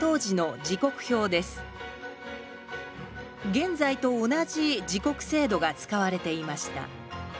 現在と同じ時刻制度が使われていました